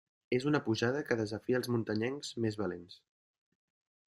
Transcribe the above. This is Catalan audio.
És una pujada que desafia als muntanyencs més valents.